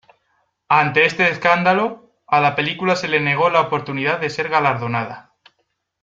Ante este escándalo, a la película se le negó la oportunidad de ser galardonada.